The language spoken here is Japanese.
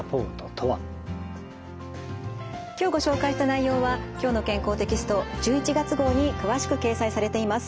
今日ご紹介した内容は「きょうの健康」テキスト１１月号に詳しく掲載されています。